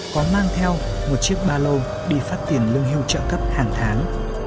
còn mang theo một chiếc ba lô đi phát tiền lương hưu trợ cấp hàng tháng